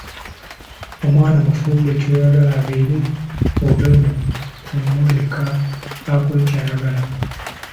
Omwana mufuule kyoyagala abeere ove mukumuleka akole ky'ayagala.